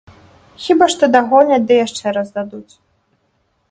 Хіба што дагоняць ды яшчэ раз дадуць.